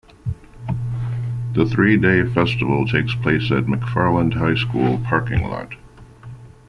The three-day festival takes place at McFarland High School parking lot.